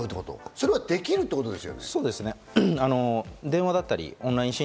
それはできるってことですよね。